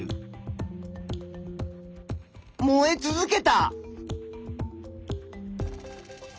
燃え続けた。